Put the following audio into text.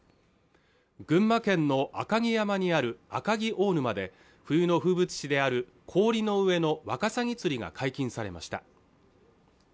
群馬県の赤城山にある赤城大沼で冬の風物詩である氷の上のワカサギ釣りが解禁されました